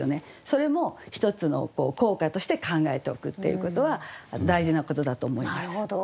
それも一つの効果として考えておくっていうことは大事なことだと思います。